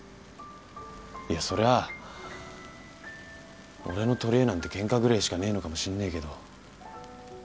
いやそりゃあ俺の取りえなんてケンカぐれえしかねえのかもしんねえけど。